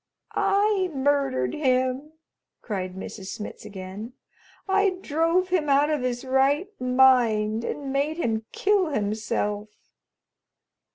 "I murdered him!" cried Mrs. Smitz again. "I drove him out of his right mind and made him kill himself."